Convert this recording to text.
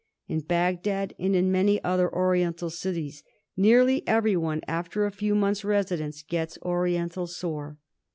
In Bagdad, and in many other Oriental cities, nearly everyone after a few months' residence gets Oriental Sore.